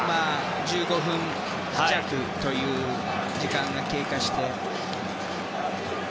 １５分弱という時間が経過してね。